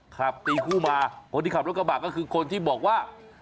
ขับตีคู่มาคนที่ขับรถกระบะก็คือคนที่บอกว่า